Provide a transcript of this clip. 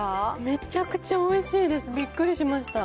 めっちゃくちゃおいしいです、びっくりしました。